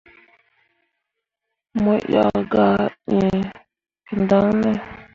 Mo yah gah ẽe kǝndaŋne ?